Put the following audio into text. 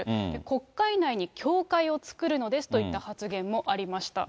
国会内に教会を作るのですといった発言もありました。